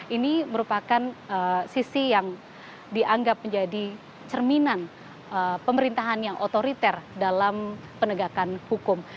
ini merupakan sisi yang dianggap menjadi cerminan pemerintahan yang otoriter dalam penegakan hukum